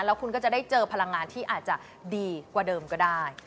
แล้วคุณก็จะได้เจอพลังงานที่อาจจะดีกว่าเดิมก็ได้